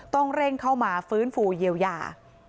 ต้องเร่งเข้ามาฟื้นฟูเยียวยา